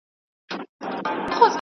د هغه ژوند د عدالت یوه غوره بېلګه ده.